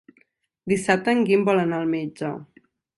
Dissabte en Guim vol anar al metge.